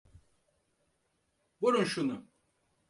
Vurun şunu!